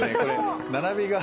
並びが。